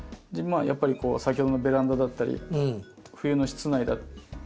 やっぱり先ほどのベランダだったり冬の室内。